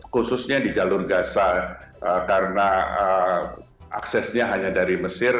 khususnya di jalur gaza karena aksesnya hanya dari mesir